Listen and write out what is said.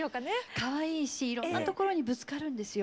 かわいいしいろんな所にぶつかるんですよ。